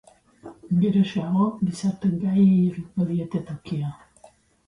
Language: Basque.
Geroxeago, gizarte gaiei egingo diete tokia.